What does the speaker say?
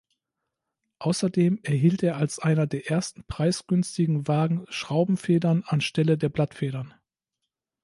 Außerdem erhielt er als einer der ersten preisgünstigen Wagen Schraubenfedern an Stelle der Blattfedern.